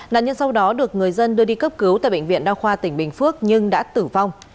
nạn nhân sau đó được người dân đưa đi cấp cứu tại bệnh viện đa khoa tỉnh bình phước nhưng đã tử vong